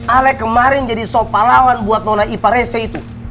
ala kemarin jadi sopalawan buat nona iparesya itu